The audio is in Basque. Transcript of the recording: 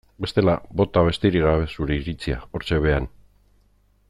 Bestela bota besterik gabe zure iritzia hortxe behean.